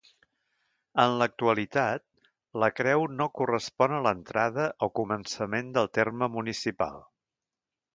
En l'actualitat, la Creu no correspon a l'entrada o començament del terme municipal.